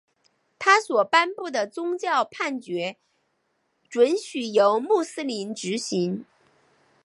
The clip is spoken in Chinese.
他所颁布的宗教判决准许由穆斯林执行。